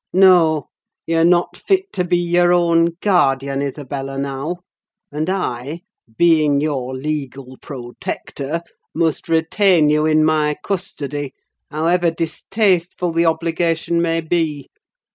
No; you're not fit to be your own guardian, Isabella, now; and I, being your legal protector, must retain you in my custody, however distasteful the obligation may be.